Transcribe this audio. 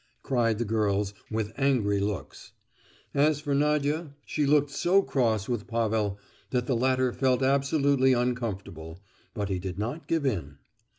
cried the girls, with angry looks. As for Nadia, she looked so cross with Pavel, that the latter felt absolutely uncomfortable; but he did not give in.